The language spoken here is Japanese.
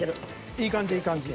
いい感じいい感じ。